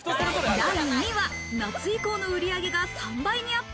第２位は夏以降の売り上げが３倍にアップ。